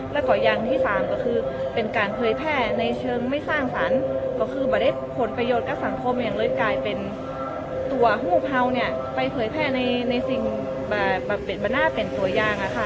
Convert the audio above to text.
แล้วก็อย่างที่สามก็คือเป็นการเผยแพร่ในเชิงไม่สร้างสรรค์ก็คือมาได้ผลประโยชน์กับสังคมอย่างเลยกลายเป็นตัวผู้เผาเนี่ยไปเผยแพร่ในสิ่งแบบเปลี่ยนบรรหน้าเป็นตัวอย่าง